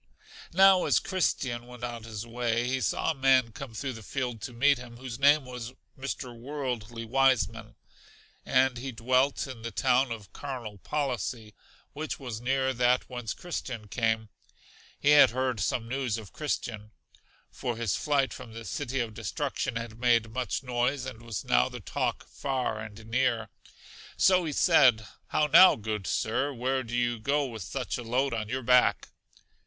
Now as Christian went on his way he saw a man come through the field to meet him, whose name was Mr. Worldly Wiseman, and he dwelt in the town of Carnal Policy, which was near that whence Christian came. He had heard some news of Christian; for his flight from The City of Destruction had made much noise, and was now the talk far and near. So he said, How now, good Sir, where do you go with such a load on your back?